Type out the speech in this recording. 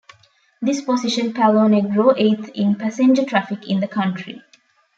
This position Palonegro eighth in passenger traffic in the country.